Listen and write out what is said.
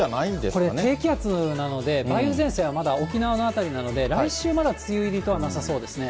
これ、低気圧なので、梅雨前線はまだ沖縄の辺りなので、来週まだ梅雨入りはなさそうですね。